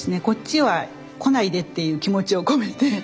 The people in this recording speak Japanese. こっちは来ないでっていう気持ちを込めて。